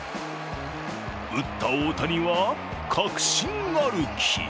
打った大谷は、確信歩き。